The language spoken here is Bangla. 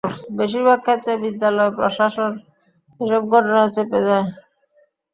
বেশির ভাগ ক্ষেত্রে বিশ্ববিদ্যালয় প্রশাসন এসব ঘটনা চেপে যায়।